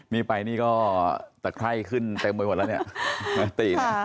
มีไปนี่ก็แต่ไพ่ขึ้นไปหมดแล้วเนี่ยติ๊ก